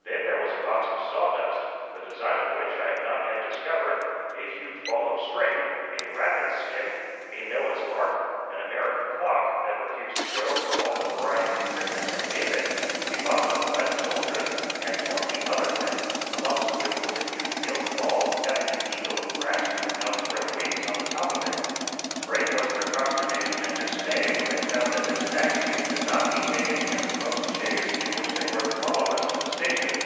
Then there was a box of sawdust, the design of which I have not yet discovered; a huge ball of string; a rabbit's skin; a Noah's ark; an American clock, that refused to go for all the variety of treatment they gave it; a box of lead soldiers, and twenty other things, amongst which was a huge gilt ball having an eagle of brass with outspread wings on the top of it. Great was their consternation and dismay when they found that this magazine could not be taken in the post chaise in which they were to follow us to the station.